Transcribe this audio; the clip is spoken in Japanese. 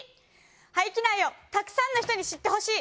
廃棄苗をたくさんの人に知ってほしい。